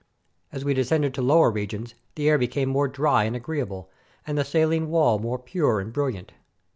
As we descended to lower regions, the air became more dry and agreeable, and the saUne wall more pure and brilliant.